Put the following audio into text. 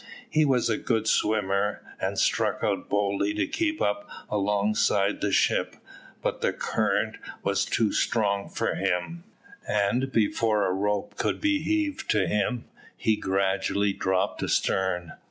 He was a good swimmer, and struck out boldly to keep up alongside the ship, but the current was too strong for him, and before a rope could be heaved to him, he gradually dropped astern.